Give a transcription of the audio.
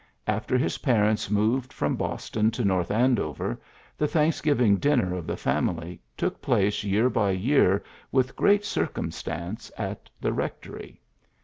After his parents moved from Boston to North Andover, the Thanksgiving dinner of the family took place year by year with great circumstance at the Rectory.